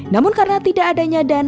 namun karena tidak adanya